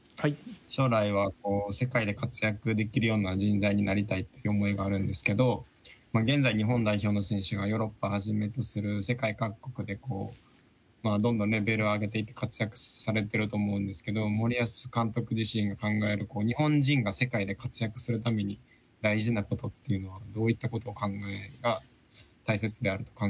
将来は世界で活躍できるような人材になりたいっていう思いがあるんですけど現在日本代表の選手がヨーロッパをはじめとする世界各国でどんどんレベルを上げていって活躍されてると思うんですけど森保監督自身が考える日本人が世界で活躍するために大事なことっていうのはどういったこと考えが大切であると考えられてますか？